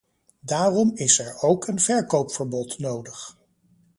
Daarom is er ook een verkoopverbod nodig.